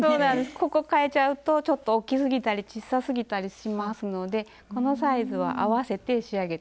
ここ変えちゃうとちょっと大きすぎたり小さすぎたりしますのでこのサイズは合わせて仕上げて下さい。